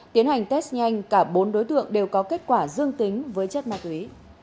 tiến hành test nhanh cả bốn đối tượng đều có kết quả dương tính với chất ma túy